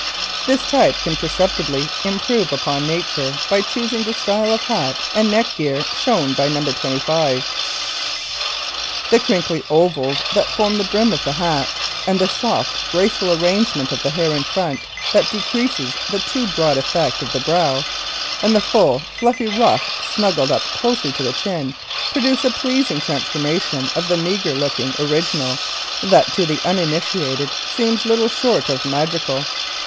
This type can perceptibly improve upon nature by choosing the style of hat and neck gear shown by No. 25. [Illustration: NO. 25] The crinkly ovals that form the brim of the hat, and the soft, graceful arrangement of the hair in front that decreases the too broad effect of the brow, and the full fluffy ruff snuggled up closely to the chin, produce a pleasing transformation of the meagre looking original that to the uninitiated seems little short of magical.